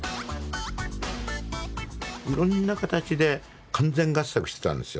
いろんな形で完全合作してたんですよ。